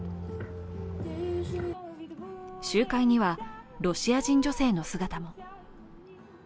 集会にはロシア人女性の姿も。